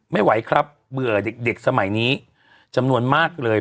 ไม่ไหวครับเบื่อเด็กสมัยนี้จำนวนมากเลย